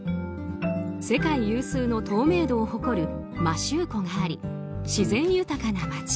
世界有数の透明度を誇る摩周湖があり自然豊かな町。